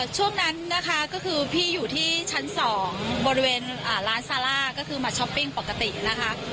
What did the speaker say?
ช่วงนั้นนะคะก็คือพี่อยู่ที่ชั้น๒บริเวณร้านซาร่าก็คือมาช้อปปิ้งปกตินะคะ